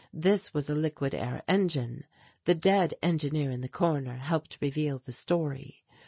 This was a liquid air engine. The dead engineer in the corner helped reveal the story.